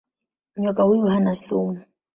Nyoka huyu hana sumu.